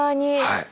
はい。